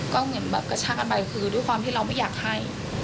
ก็เหมือนแบบกระชากกันไปคือด้วยความที่เราไม่อยากให้